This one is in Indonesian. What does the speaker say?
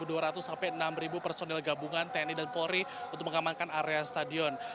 dan juga ada kebanyakan personil gabungan tni dan polri untuk mengamankan area stadion